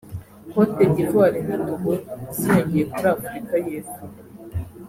Cote d’Ivoire na Togo ziyongeye kuri Afurika y’Epfo